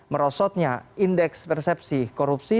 merosotnya indeks persepsi korupsi